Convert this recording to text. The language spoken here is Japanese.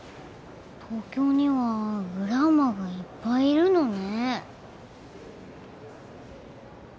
東京にはグランマがいっぱいいるのね。